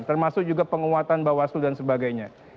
termasuk juga penguatan bawah suluh dan sebagainya